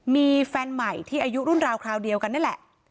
มีแฟนใหม่ที่อายุรุ่นราวคราวเดียวกันนี่แหละ